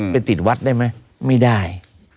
ไปติดวัดได้ไหมไม่ได้